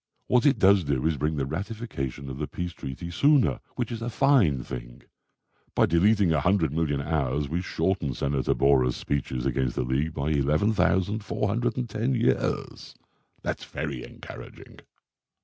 What it does do is bring the ratification of the Peace Treaty sooner, which is a fine thing. By deleting a hundred million hours we shorten Senator Borah's speeches against the League by 11,410 years. That's very encouraging."